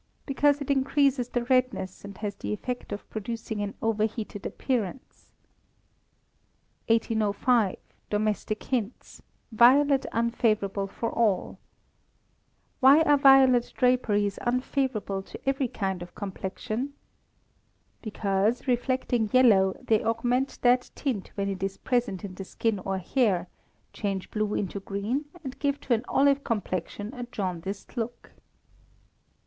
_ Because it increases the redness, and has the effect of producing an overheated appearance. 1805. Domestic Hints (Violet Unfavourable for All). Why are violet draperies unfavourable to every kind of complexion? Because, reflecting yellow, they augment that tint when it is present in the skin or hair, change blue into green, and give to an olive complexion a jaundiced look.